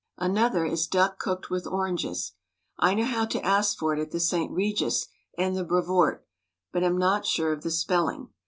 Another Is duck cooked with oranges. I know how to ask for it at the St. Regis and the Brevoort, but am not sure of the spelling.